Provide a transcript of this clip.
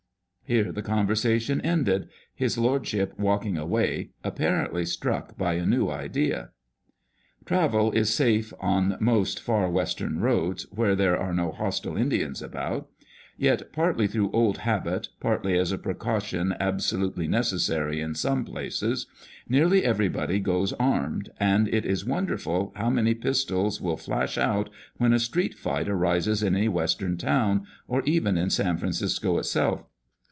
Here the conversation ended : his lordship walking away, apparently struck by a new idea. Travel is safe on most Far Western roads, where there are no hostile Indians about; yet, partly through old habit, partly as a precaution absolutely necessary in some places, nearly everybody goes armed, and it is wonderful how many pistols will flash out when a street fight arises in any Western town, or even in San Francisco itself.